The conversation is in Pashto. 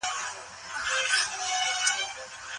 ذهني فشار اشتها بدلوي.